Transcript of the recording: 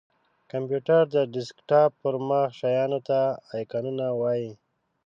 کمپېوټر:د ډیسکټاپ پر مخ شېانو ته آیکنونه وایې!